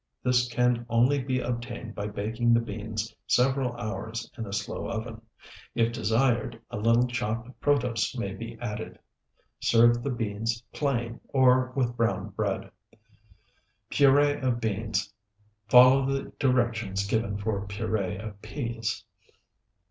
This can only be obtained by baking the beans several hours in a slow oven. If desired, a little chopped protose may be added. Serve the beans plain, or with brown bread. PUREE OF BEANS Follow the directions given for puree of peas.